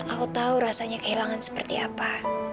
aku tahu rasanya kehilangan seperti apa